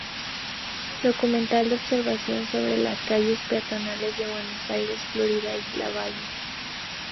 Documental de observación sobre las calles peatonales de Buenos Aires, Florida y Lavalle.